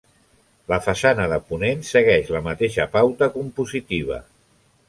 La façana de ponent segueix la mateixa pauta compositiva.